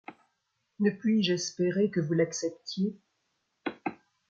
Ne puis-je espérer que vous l'acceptiez !